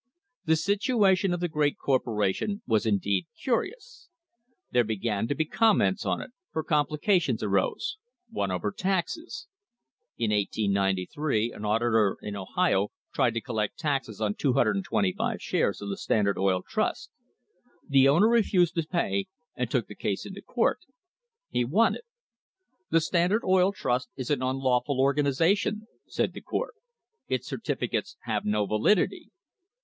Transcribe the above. The situation of the great corporation was indeed curious. There began to be com ments on it, for complications arose one over taxes. In 1893 an auditor in Ohio tried to collect taxes on 225 shares of the Standard Oil Trust. The owner refused to pay and took the case into court. He won it. The Standard Oil Trust is an unlawful organisation, said the court. Its certificates have no validity.